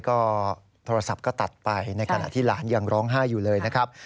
ก็โทรศัพท์ก็ตัดไปในขณะที่หลานยังร้องไห้อยู่เลยนะครับ